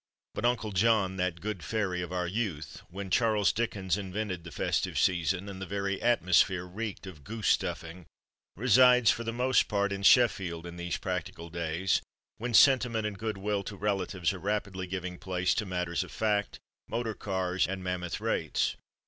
But Uncle John, that good fairy of our youth, when Charles Dickens invented the "festive season," and the very atmosphere reeked of goose stuffing, resides, for the most part, "in Sheffield," in these practical days, when sentiment and goodwill to relatives are rapidly giving place to matters of fact, motor cars, and mammoth rates.